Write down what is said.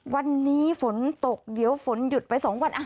วันนี้ฝนตกเดี๋ยวฝนหยุดไป๒วัน